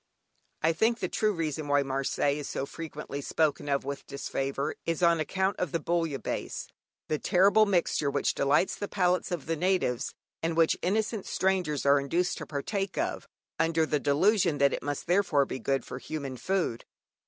I think the true reason why Marseilles is so frequently spoken of with disfavour is on account of the "Bouillabaisse," the terrible mixture which delights the palates of the natives, and which innocent strangers are induced to partake of under the delusion that it must therefore be good for human food.